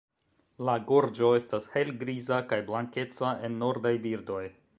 La gorĝo estas helgriza, kaj blankeca en nordaj birdoj.